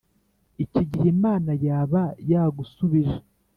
iki gihe imana yaba yagusubije?